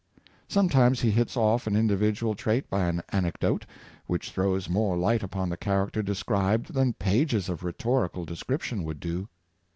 Sometimes he hits off an individual trait by an anecdote, which throws more light upon the character described than pages of rhetor ical description would do.